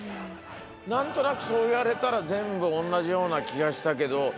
何となくそう言われたら全部同じような気がしたけど。